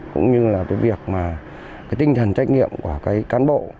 cũng như là việc tinh thần trách nhiệm của các người tham gia giao thông